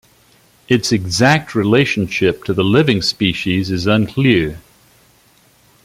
Its exact relationship to the living species is unclear.